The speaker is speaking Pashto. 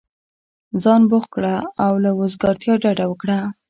ځان بوخت كړه او له وزګارتیا ډډه وكره!